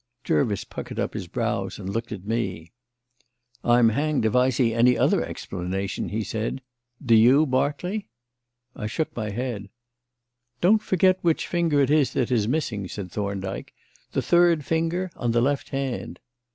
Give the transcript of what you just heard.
Jervis puckered up his brows and looked at me. "I'm hanged if I see any other explanation," he said. "Do you, Berkeley?" I shook my head. "Don't forget which finger it is that is missing," said Thorndyke. "The third finger on the left hand."